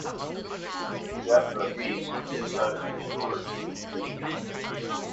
With the death of the Beast, the sun is restored.